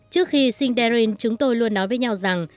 trước khi sinh darin chúng tôi luôn nói với nhau rằng